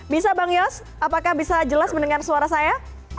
bisa bang yos apakah bisa jelas mendengar suara saya